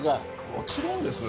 もちろんです。